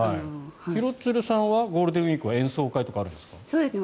廣津留さんはゴールデンウィークは演奏会とかあるんですか？